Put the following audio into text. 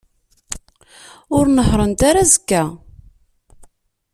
Ur nehhṛent ara azekka.